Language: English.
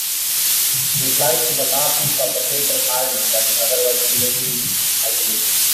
It lies to the northeast of the crater Harding, but is otherwise relatively isolated.